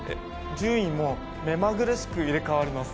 順位もめまぐるしく入れ替わります。